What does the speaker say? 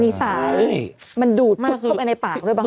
นิสามันดูดพลุกเข้าไปในปากด้วยบางอย่าง